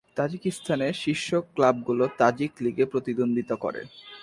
তাজিকিস্তানের শীর্ষ ক্লাবগুলো তাজিক লীগে প্রতিদ্বন্দ্বিতা করে।